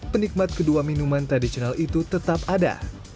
penikmat kedua minuman tradisional itu tetap ada